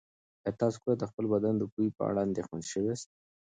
ایا تاسو کله د خپل بدن د بوی په اړه اندېښمن شوي یاست؟